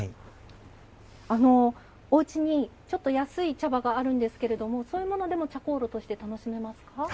おうちに、ちょっと安い茶葉があるんですけれどもそういうものでも茶香炉として楽しめますか？